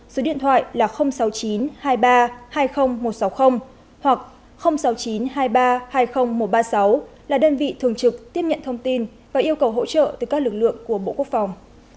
số điện thoại là sáu mươi chín hai mươi ba hai mươi nghìn một trăm sáu mươi hoặc sáu mươi chín hai mươi ba hai mươi nghìn một trăm ba mươi sáu là đơn vị thường trực tiếp nhận thông tin và yêu cầu hỗ trợ từ các lực lượng của bộ quốc phòng